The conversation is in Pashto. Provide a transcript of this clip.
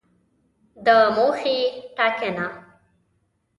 د موخې ټاکنه